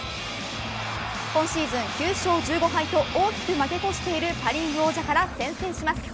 今シーズン９勝１５敗と大きく負け越しているパ・リーグ王者から先制します。